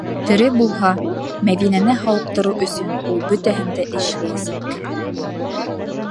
Тере булһа, Мәҙинәне һауыҡтырыу өсөн ул бөтәһен дә эшләйәсәк!